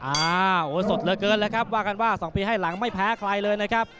โอ้สดเหลือเกินเลยครับว่ากันว่า๒ปีให้หลังไม่แพ้ใครเลยนะครับ